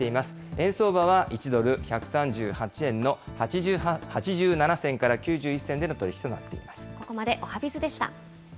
円相場は１ドル１３８円の８７銭から９１銭での取り引きとなっています。